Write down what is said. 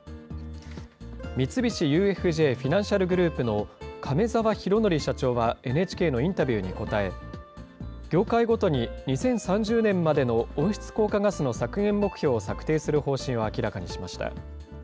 三菱ＵＦＪフィナンシャル・グループの亀澤宏規社長はＮＨＫのインタビューに答え、業界ごとに２０３０年までの温室効果ガスの削減目標を策定する方針を明らかにしました。